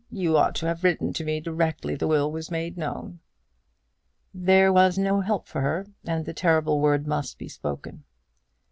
You ought to have written to me directly the will was made known." There was no help for her, and the terrible word must be spoken.